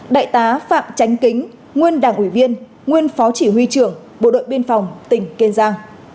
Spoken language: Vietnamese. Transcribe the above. đại tá phạm tránh kính nguyên đảng ủy viên nguyên phó chỉ huy trưởng bộ đội biên phòng tỉnh kiên giang